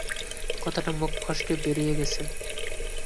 কথাটা মুখ ফসকে বেড়িয়ে গেছে।